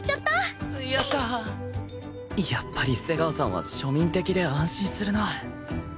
やっぱり瀬川さんは庶民的で安心するな